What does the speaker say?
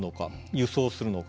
輸送するのか。